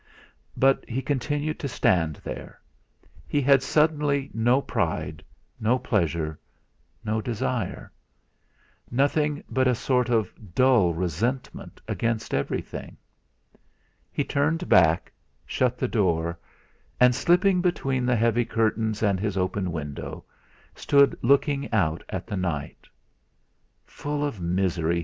But he continued to stand there. He had suddenly no pride, no pleasure, no desire; nothing but a sort of dull resentment against everything. He turned back; shut the door, and slipping between the heavy curtains and his open window, stood looking out at the night. '.ull of misery!'